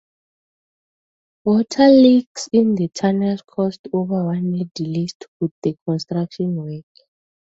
Water leaks in the tunnels caused over one year's delay to the construction work.